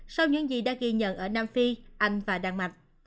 sau những gì đã ghi nhận ở nam phi anh và đan mạch